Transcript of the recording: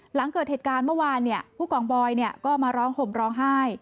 หลังเกิดเหตุการณ์เมื่อวานผู้กองบอยก็มาร้องห่มร้องไห้